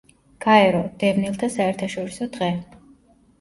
გაერო: დევნილთა საერთაშორისო დღე.